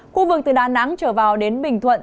khu vực từ đà nẵng trở vào đến bình thuận